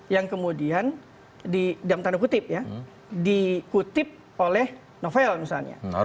yang kemudian dikutip oleh novel misalnya